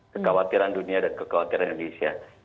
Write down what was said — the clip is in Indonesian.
kekhawatiran dunia dan kekhawatiran indonesia